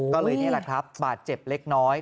ก็เลยนี่แหละครับบาดเจ็บเล็กน้อย